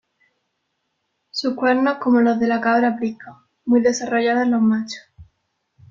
Sus cuernos como los de la cabra prisca, muy desarrollados en los machos.